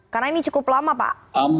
karena ini cukup lama pak